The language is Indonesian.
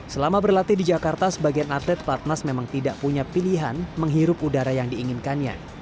selama berlatih di jakarta sebagian atlet pelatnas memang tidak punya pilihan menghirup udara yang diinginkannya